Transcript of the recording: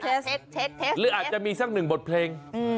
หรืออาจจะมีสักหนึ่งบทเพลง